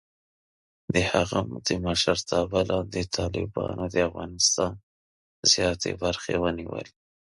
د هغه د مشرتابه لاندې، طالبانو د افغانستان زیاتې برخې ونیولې.